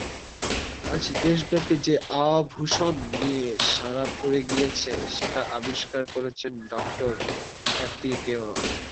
আজ দেশব্যাপী যে আভূষণ নিয়ে সাড়া পড়ে গিয়েছে সেটা আবিষ্কার করেছেন ডাক্তার কার্তিকেয়।